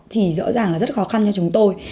thì rõ ràng là rất khó khăn cho chúng tôi